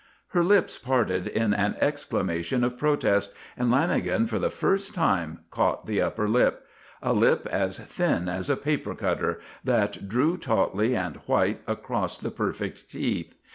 Her lips parted in an exclamation of protest, and Lanagan for the first time caught the upper lip; a lip as thin as a paper cutter, that drew tautly and white across the perfect teeth.